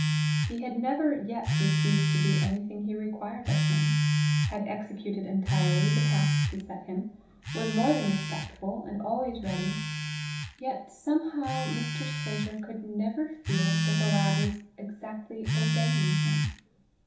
He had never yet refused to do anything he required of him, had executed entirely the tasks he set him, was more than respectful, and always ready; yet somehow Mr. Sclater could never feel that the lad was exactly obeying him.